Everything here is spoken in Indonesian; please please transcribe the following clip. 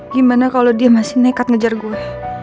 gimana kalau dia masih nekat ngejar gue